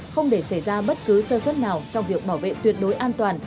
không để xảy ra bất cứ sơ xuất nào trong việc bảo vệ tuyệt đối an toàn